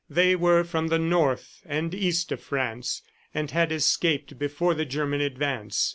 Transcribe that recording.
They were from the North and East of France, and had escaped before the German advance.